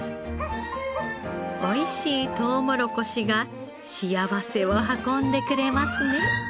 おいしいとうもろこしが幸せを運んでくれますね。